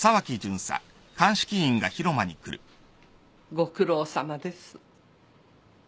ご苦労さまです。